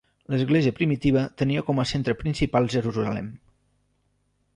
L'església primitiva tenia com a centre principal Jerusalem.